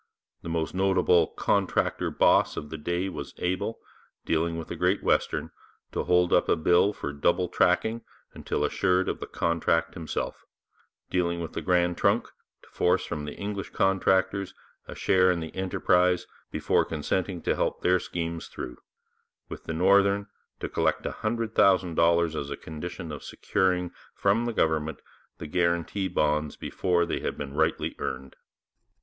The most notable 'contractor boss' of the day was able, dealing with the Great Western, to hold up a bill for double tracking until assured of the contract himself; dealing with the Grand Trunk, to force from the English contractors a share in the enterprise before consenting to help their schemes through; with the Northern, to collect $100,000 as a condition of securing from the government the guarantee bonds before they had been rightly earned.